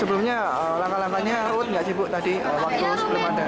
sebelumnya langkah langkahnya ud nggak sibuk tadi waktu sebelum ada